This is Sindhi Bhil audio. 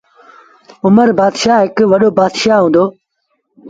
اُمر بآتشآه هڪڙو وڏو بآتشآه هُݩدو،